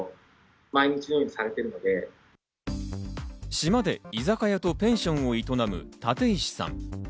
島で居酒屋とペンションを営む立石さん。